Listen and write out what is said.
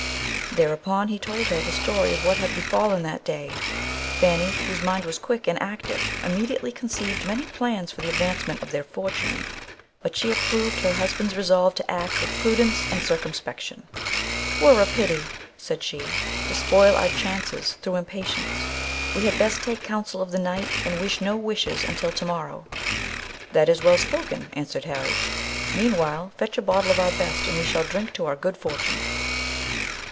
Thereupon he told her the story of what had befallen that day. Fanny, whose mind was quick and active, immediately conceived many plans for the advancement of their fortune, but she approved her husband's resolve to act with prudence and circumspection. "'Twere a pity," she said, "to spoil our chances through impatience. We had best take counsel of the night, and wish no wishes until to morrow." "That is well spoken," answered Harry. "Meanwhile fetch a bottle of our best, and we shall drink to our good fortune."